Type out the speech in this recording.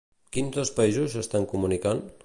Quins dos països s'estan comunicant?